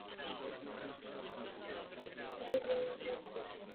Jedním z jednoduchých způsobů může být například binární řetězec dané délky.